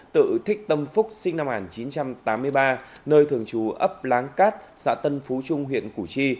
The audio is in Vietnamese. tự thích tâm phúc sinh năm một nghìn chín trăm tám mươi ba nơi thường trú ấp láng cát xã tân phú trung huyện củ chi